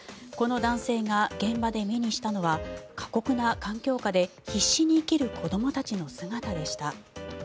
この男性が現場で目にしたのは過酷な環境下で必死に生きる子どもたちの姿でした。